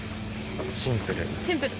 シンプル。